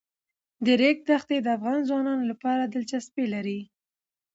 د ریګ دښتې د افغان ځوانانو لپاره دلچسپي لري.